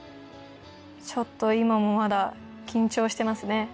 ちょっと今もまだ緊張してますね。